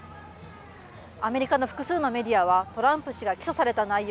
アメリカの複数のメディアはトランプ氏が起訴された内容